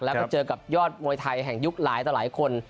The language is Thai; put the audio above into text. แล้วก็เจอกับยอดมวยไทยแห่งยุคหลายต่อหลายคน